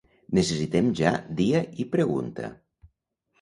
Necessitem ja dia i pregunta.